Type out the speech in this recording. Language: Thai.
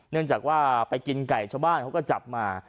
เนื่องจากว่าไปกินไก่ชาวบ้านเขาก็จับมา